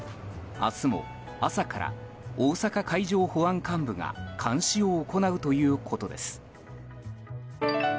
明日も朝から大阪海上保安監部が監視を行うということです。